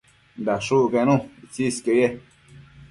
dashucquenu itsisquio ye